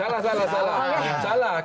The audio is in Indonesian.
salah salah salah